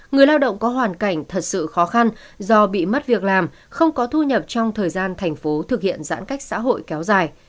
người lao động có hoàn cảnh thật sự khó khăn do bị mất việc làm không có thu nhập trong thời gian thành phố thực hiện giãn cách xã hội kéo dài